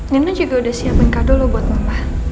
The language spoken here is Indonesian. rina juga udah siapin kado lo buat mama